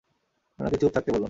উনাকে চুপ থাকতে বলুন।